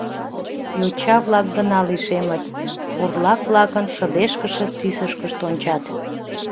Йоча-влак гына лишемыт, бурлак-влакын шыдешкыше тӱсышкышт ончат.